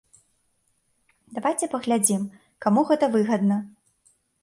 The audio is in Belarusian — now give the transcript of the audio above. Давайце паглядзім, каму гэта выгадна.